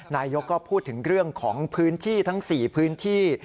นายกก็พูดถึงเรื่องของพื้นที่ทั้ง๔พื้นที่